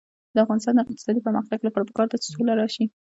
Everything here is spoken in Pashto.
د افغانستان د اقتصادي پرمختګ لپاره پکار ده چې سوله راشي.